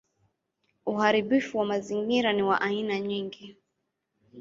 Uharibifu wa mazingira ni wa aina nyingi.